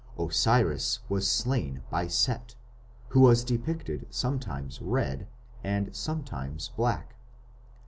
Osiris was slain by Set, who was depicted sometimes red and sometimes black.